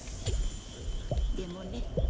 でもね